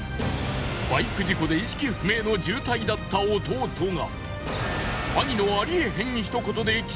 バイク事故で意識不明の重体だった弟が。